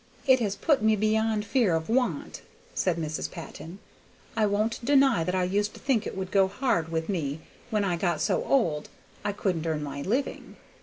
"It has put me beyond fear of want," said Mrs. Patton. "I won't deny that I used to think it would go hard with me when I got so old I couldn't earn my living.